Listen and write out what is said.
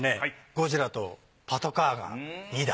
ゴジラとパトカーが２台。